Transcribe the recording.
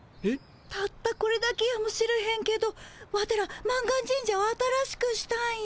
たったこれだけやもしれへんけどワテら満願神社を新しくしたんよ。